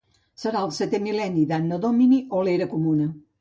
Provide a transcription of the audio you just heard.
Serà el setè mil·lenni de l'Anno Domini o l'Era Comuna.